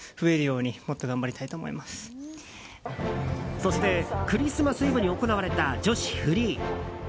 そして、クリスマスイブに行われた女子フリー。